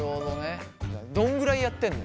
どんぐらいやってんの？